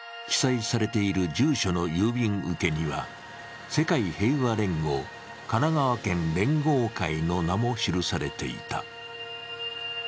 記載されている住所の郵便受けには、世界平和連合神奈川県連合の名も記されていた。